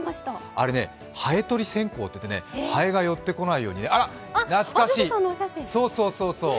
あれ、ハエとり線香といって、ハエが寄ってこないようにあら、懐かしい、そうそうそうそう！